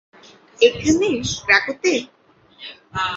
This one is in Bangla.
এখানে, ক্রাকোতে?